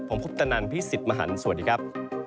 ผมพุทธนันทร์พี่สิทธิ์มหันศ์สวัสดีครับ